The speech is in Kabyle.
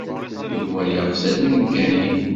Yuba yeɣs ad neggani.